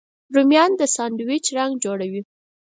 رومیان د ساندویچ رنګ جوړوي